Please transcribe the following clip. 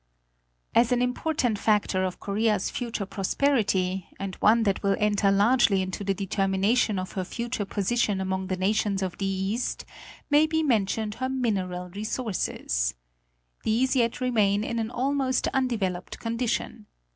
As an important factor of Korea's future prosperity, and one that will enter largely into the determination of her future posi tion among the nations of the east, may be mentioned her mineral resources. These yet remain in an almost undeveloped condition.